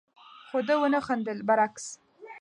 خو ده ونه خندل، برعکس،